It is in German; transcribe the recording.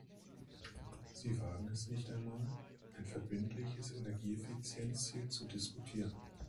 Sie wagen es nicht einmal, ein verbindliches Energieeffizienzziel zu diskutieren.